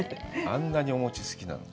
あんなにお餅が好きなの？